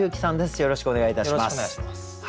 よろしくお願いします。